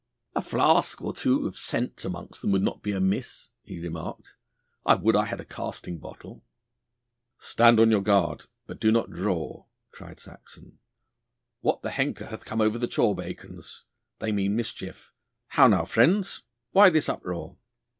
'A flask or two of scent amongst them would not be amiss,' he remarked; 'I would I had a casting bottle.' 'Stand on your guard, but do not draw,' cried Saxon. 'What the henker hath come over the chaw bacons? They mean mischief. How now, friends, why this uproar?